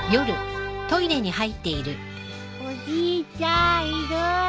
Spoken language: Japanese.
・おじいちゃんいる？